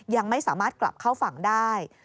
ยังไม่สามารถกลับเข้าฝั่งได้